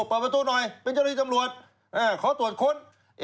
เปิดประตูหน่อยเป็นเจ้าหน้าที่ตำรวจขอตรวจค้น